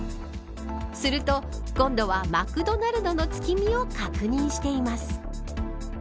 すると、今度はマクドナルドの月見を確認しています。